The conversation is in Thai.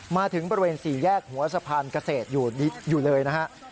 มาถึงบริเวณ๔แยกหัวสะพานเกษตรอยู่เลยนะฮะ